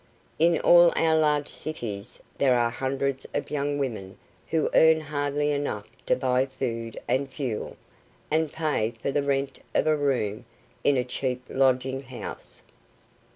In all our large cities there are hundreds of young women who earn hardly enough to buy food and fuel and pay for the rent of a room in a cheap lodging house.